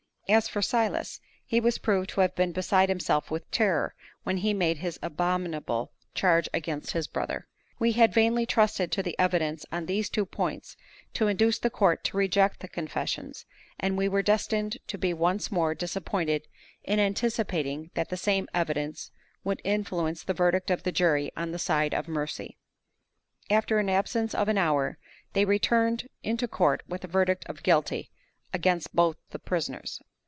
As for Silas, he was proved to have been beside himself with terror when he made his abominable charge against his brother. We had vainly trusted to the evidence on these two points to induce the court to reject the confessions: and we were destined to be once more disappointed in anticipating that the same evidence would influence the verdict of the jury on the side of mercy. After an absence of an hour, they returned into court with a verdict of "Guilty" against both the prisoners.